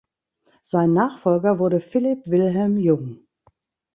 Sein Nachfolger wurde Philipp Wilhelm Jung.